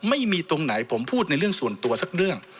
ไม่มีตรงไหนผมพูดในเรื่องส่วนตัวสักเรื่อง